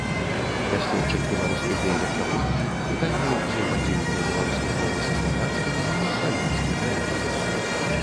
Даследчык беларускай дыялекталогіі, пытанняў узаемадзеяння беларускай мовы са славянскімі і неславянскімі мовамі.